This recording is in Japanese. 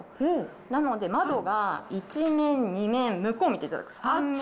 なので窓が１面、２面、向こう見ていただいて３面。